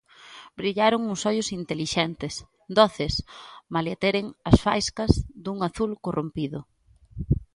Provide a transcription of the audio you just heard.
Brillaron uns ollos intelixentes, doces malia teren as faiscas dun azul corrompido.